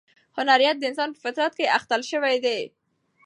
هنریت د انسان په فطرت کې اخښل شوی دی.